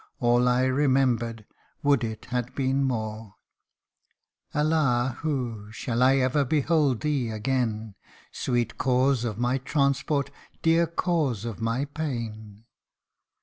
All I remembered would it had been more !" Allah hu ! shall I ever behold thee again, Sweet cause of my transport dear cause of my pain